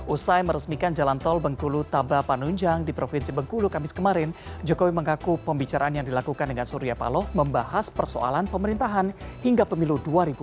usai meresmikan jalan tol bengkulu tabapanunjang di provinsi bengkulu kamis kemarin jokowi mengaku pembicaraan yang dilakukan dengan surya paloh membahas persoalan pemerintahan hingga pemilu dua ribu dua puluh